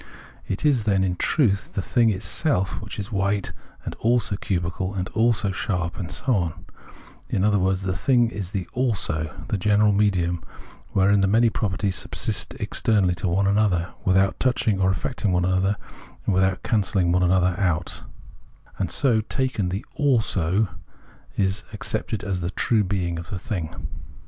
It is, then, in truth the thing itself which is white, and also cubical, and also sharp, and so on ; in other words, the thing is the " also," the general medium, wherein Perception 115 the many properties subsist externally to one another, without touching or aSecting one another, and without cancelhng one another ; and, so taken, the " also " is accepted as the true being of the thing.